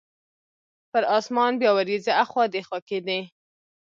پر اسمان بیا وریځې اخوا دیخوا کیدې.